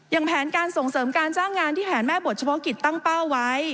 แผนการส่งเสริมการจ้างงานที่แผนแม่บทเฉพาะกิจตั้งเป้าไว้